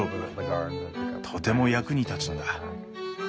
とても役に立つんだ。